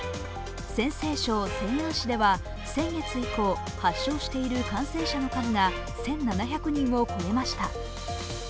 陜西省西安市では、先月以降発症している感染者の数が１７００人を超えました。